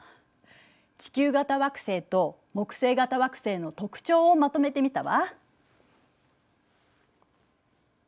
地球型惑星と木星型惑星の特徴をまとめてみたわ。